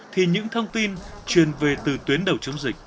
thì những thông tin truyền về từ tuyến đầu chống dịch